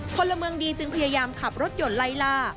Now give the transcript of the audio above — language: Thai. พลเมืองดีจึงพยายามขับรถยนต์ไล่ล่า